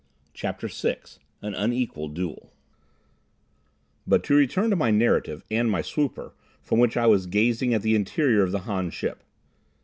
CHAPTER VI An Unequal Duel But to return to my narrative, and my swooper, from which I was gazing at the interior of the Han ship.